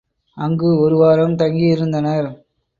அங்கு ஒருவாரம் தங்கியிருந்தனர்.